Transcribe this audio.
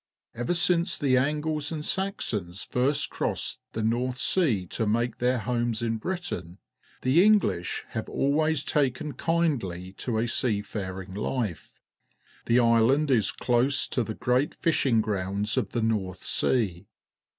— Ever since the Angles and Saxons first crossed the Xorth Sea to make their homes in Britain, the Enghsh have always taken kindly to a sea faring hfe. The island is close to the great fishing grounds of the North Sea.